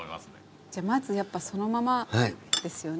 じゃあまずやっぱそのままですよね。